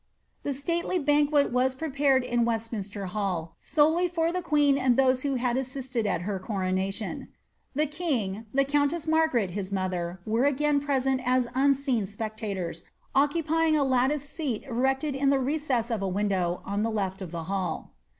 A stately banquet was prepared in Westminster Hall, solely for the queen and those who had assisted at her coronation. The king, and the countess Maigaret, his mother, were again present as unseen specta tors, occupying a latticed seat erected in the recess of a window on the leA of the hall.